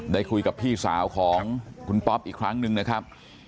ได้คุยกับพี่สาวของคุณป๊อปอีกครั้งหนึ่งนะครับ